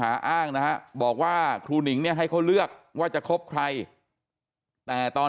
อ้างนะฮะบอกว่าครูหนิงเนี่ยให้เขาเลือกว่าจะคบใครแต่ตอน